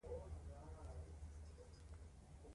په ورځ کي کم ترکمه لس ګیلاسه اوبه وچیښئ